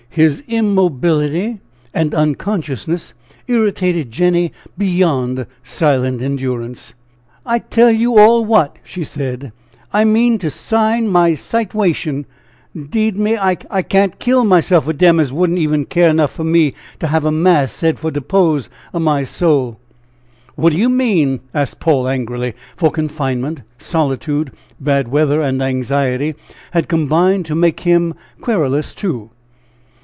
His immobility and unconsciousness irritated Jenny beyond silent endurance. "I tell you all what," she said, "I means to 'sign my sitewation! 'deed me! I can't kill myself for dem as wouldn't even care 'nough for me to have a mass said for de 'pose o' my soul." "What do you mean?" asked Paul, angrily, for confinement, solitude, bad weather, and anxiety, had combined, to make him querulous, too.